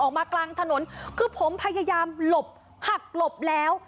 กลางถนนคือผมพยายามหลบหักหลบแล้ว